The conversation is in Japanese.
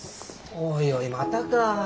おいおいまたか。